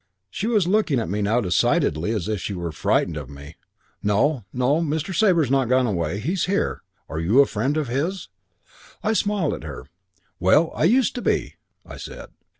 She was looking at me now decidedly as if she were frightened of me. 'No, no, Mr. Sabre's not gone away. He's here. Are you a friend of his?' "I smiled at her. 'Well, I used to be,' I said.